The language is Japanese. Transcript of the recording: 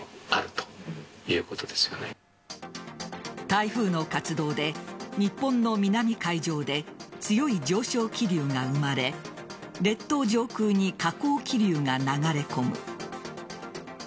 台風の活動で日本の南海上で強い上昇気流が生まれ列島上空に下降気流が流れ込む。